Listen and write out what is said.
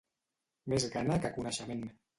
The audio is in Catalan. Més gana que coneixement.